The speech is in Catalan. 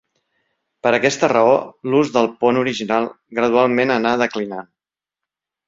Per aquesta raó, l'ús del pont original gradualment anà declinant.